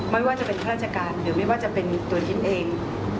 ไม่ว่าจะเป็นข้าราชการหรือไม่ว่าจะเป็นตัวคิดเอง